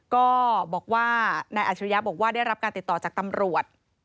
ก็บอกว่านายอัชริยะบอกว่าได้รับการติดต่อจากตำรวจ